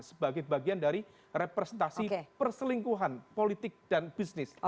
sebagai bagian dari representasi perselingkuhan politik dan bisnis